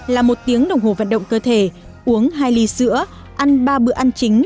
là một tiếng đồng hồ vận động cơ thể uống hai ly sữa ăn ba bữa ăn chính